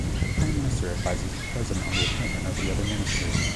The Prime Minister advises the President on the appointment of the other Ministers.